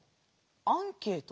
アンケート？